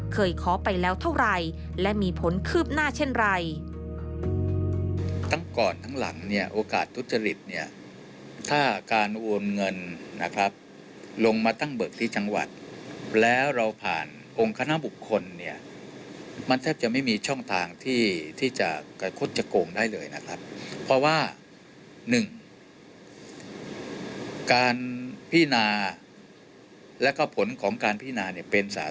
ขอไปแล้วเท่าไหร่และมีผลคืบหน้าเช่นไร